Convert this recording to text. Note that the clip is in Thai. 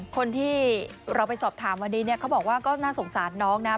คนที่เราไปสอบถามวันนี้เนี่ยเขาบอกว่าก็น่าสงสารน้องนะ